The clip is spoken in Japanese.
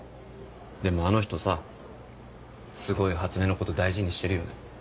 でもあの人さすごい初音のこと大事にしてるよね。